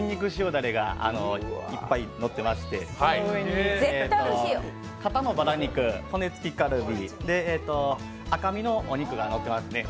だれがいっぱいのってまして、肩のバラ肉、骨付きカルビ、赤身のお肉がのってますね。